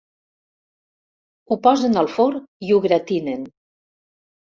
Ho posen al forn i ho gratinen.